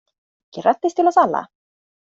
Grattis till oss alla!